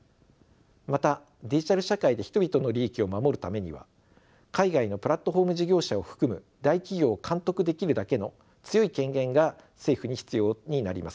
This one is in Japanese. またデジタル社会で人々の利益を守るためには海外のプラットフォーム事業者を含む大企業を監督できるだけの強い権限が政府に必要になります。